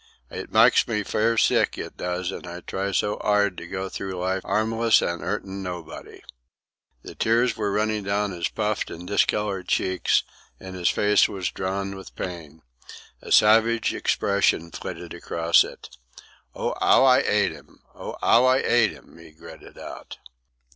It mykes me fair sick, it does, an' I try so 'ard to go through life 'armless an' 'urtin' nobody." The tears were running down his puffed and discoloured cheeks, and his face was drawn with pain. A savage expression flitted across it. "Oh, 'ow I 'ate 'im! 'Ow I 'ate 'im!" he gritted out.